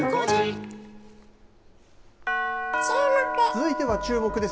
続いてはチューモク！です。